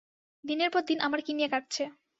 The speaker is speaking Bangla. দিনের পর দিন আমার কী নিয়ে কাটছে?